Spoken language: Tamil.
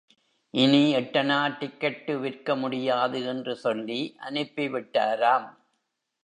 இனி எட்டணா டிக்கட்டு விற்க முடியாது! என்று சொல்லி அனுப்பிவிட்டாராம்.